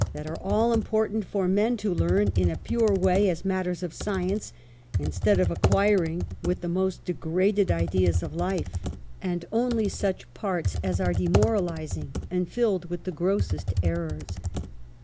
that are all important for men to learn in a pure way as matters of science, instead of acquiring with the most degraded ideas of life, and only such parts as are demoralizing and filled wdth the grossest errors.